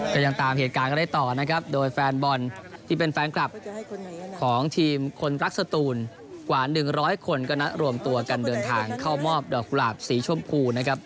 ติดตามเหตุการณ์ก็ได้ต่อนะครับโดยแฟนบอลที่เป็นแฟนคลับของทีมคนรักสตูนกว่า๑๐๐คนก็นัดรวมตัวกันเดินทางเข้ามอบดอกกุหลาบสีชมพูนะครับ